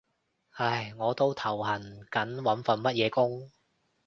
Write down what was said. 唉，我都頭痕緊揾份乜嘢工